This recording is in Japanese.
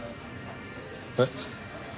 えっ？